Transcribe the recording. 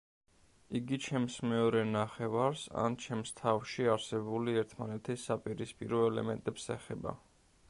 იგი ჩემს მეორე ნახევარს ან ჩემს თავში არსებული ერთმანეთის საპირისპირო ელემენტებს ეხება.